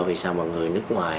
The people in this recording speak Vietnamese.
vì sao mọi người nước ngoài